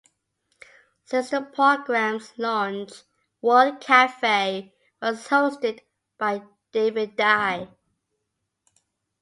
Since the program's launch, "World Cafe" was hosted by David Dye.